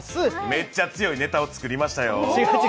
めっちゃ強いネタを作りましたよ。